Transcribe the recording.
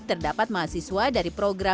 terdapat mahasiswa dari program